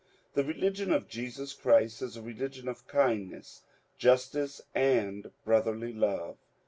The religion of Jesus Christ is a religion of kindness, justice, and brotherly love.